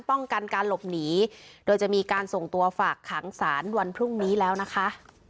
ป้องกันการหลบหนีโดยจะมีการส่งตัวฝากขังสารวันพรุ่งนี้แล้วนะคะ